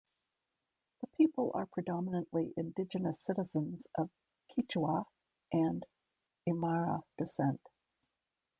The people are predominantly indigenous citizens of Quechua and Aymara descent.